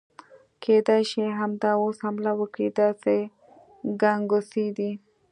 کېدای شي همدا اوس حمله وکړي، داسې ګنګوسې دي.